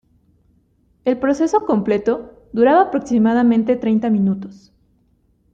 El proceso completo duraba aproximadamente treinta minutos.